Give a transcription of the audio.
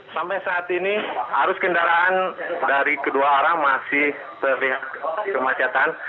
sampai saat ini arus kendaraan dari kedua arah masih terlihat kemacetan